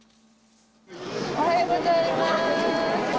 おはようございます。